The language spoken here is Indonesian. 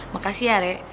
makasih ya re